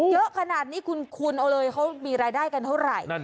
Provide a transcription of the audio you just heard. เยอะขนาดนี้คุณเอาเลยเขามีรายได้กันเท่าไหร่